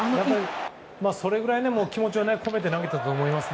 それぐらい気持ちを込めて投げてたと思います。